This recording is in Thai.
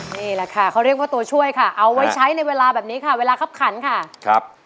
นี่แหละค่ะเขาเรียกว่าตัวช่วยค่ะเอาไว้ใช้ในเวลาแบบนี้ค่ะเวลาคับขันค่ะครับ